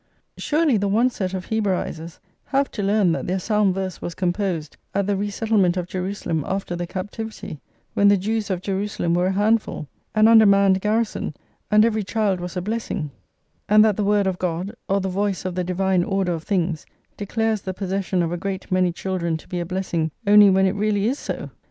Surely, the one set of Hebraisers have to learn that their psalm verse was composed at the resettlement of Jerusalem after the Captivity, when the Jews of Jerusalem were a handful, an undermanned garrison, and every child was a blessing; and that the word of God, or the voice of the divine order of things, declares the possession of a great many children to be a blessing only when it really is so!